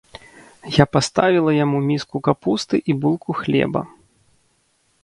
Я паставіла яму міску капусты і булку хлеба.